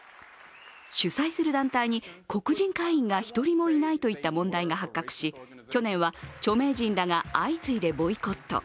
主催する団体に黒人会員が１人もいないといった問題が発覚し去年は著名人らが相次いでボイコット。